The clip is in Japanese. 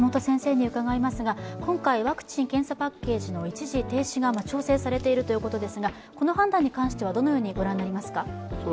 今回ワクチン検査パッケージの一時停止が調整されているということですがこの判断に関してはどのようにご覧になりますか。